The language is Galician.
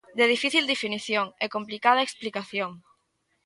De difícil definición e complicada explicación.